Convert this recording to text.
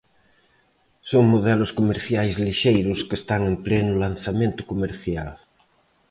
Son modelos comerciais lixeiros que están en pleno lanzamento comercial.